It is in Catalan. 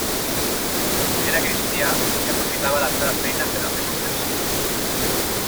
Era cristià i aprofitava la seva feina per fer conversions.